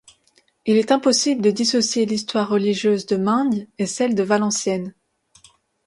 Il est impossible de dissocier l'histoire religieuse de Maing et celle de Valenciennes.